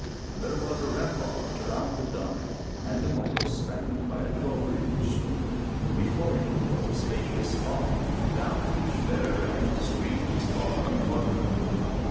There was a rampart around the dun and a moat spanned by a drawbridge. Before it was a spa cious lawn, down which there ran a stream of sparkling water.